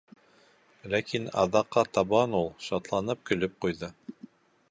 Ләкин аҙаҡҡа табан ул, шатланып, көлөп ҡуйҙы.